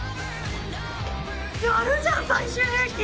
やるじゃん最終兵器！